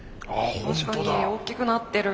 確かに大きくなってる。